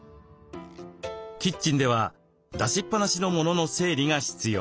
キッチンでは出しっぱなしの物の整理が必要。